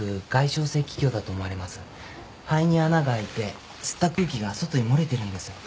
肺に穴があいて吸った空気が外に漏れているんですよ。